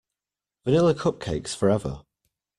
Vanilla cupcakes forever.